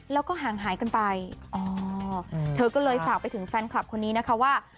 แล้วก็ห่างหายกันไปอ๋อเธอก็เลยฝากไปถึงแฟนคลับคนนี้นะคะว่า